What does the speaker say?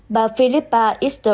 bà philippe le pen giáo viên trường hợp